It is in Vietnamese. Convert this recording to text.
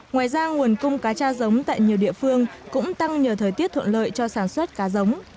ngoài ra nguồn cung cá cha giống tại nhiều địa phương cũng tăng nhờ thời tiết thuận lợi cho sản xuất cá giống